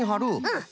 うん。